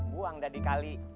buang dari kali